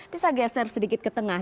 bisa geser sedikit ke tengah